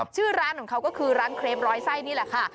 ชื่อร้านของเขาก็คือร้านเครปร้อยไส้นี่แหละค่ะ